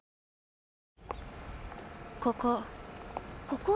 ここ。